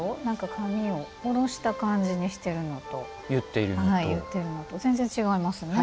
髪をおろした感じにしてるのと結っているのと全然違いますね。